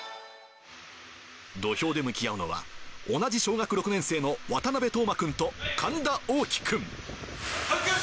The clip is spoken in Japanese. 土俵で向き合うのは、同じ小学６年生の渡邊虎真君と神田おうき君。